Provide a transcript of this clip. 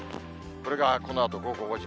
これがこのあと午後５時。